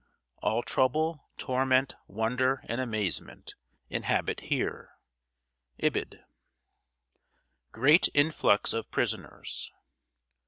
All trouble, torment, wonder, and amazement Inhabit here. IBID. [Sidenote: GREAT INFLUX OF PRISONERS.